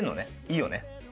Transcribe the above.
いいよね？